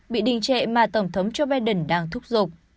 bị đình trệ mà tổng thống joe biden đang thúc giục